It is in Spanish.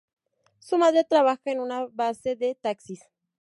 Su madre trabaja en una base de taxis.